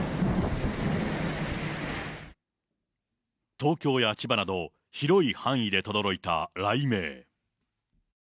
東京や千葉など、広い範囲でとどろいた雷鳴。